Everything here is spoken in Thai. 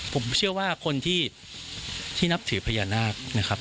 ผมเชื่อว่าคนที่นับถือพญานาคนะครับ